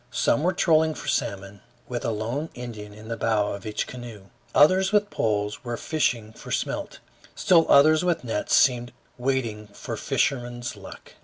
Some were trolling for salmon, with a lone Indian in the bow of each canoe; others with poles were fishing for smelt; still others with nets seemed waiting for fisherman's luck.